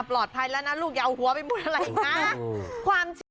ปลอดภัยแล้วนะลูกอย่าเอาหัวไปหมดอะไรนะ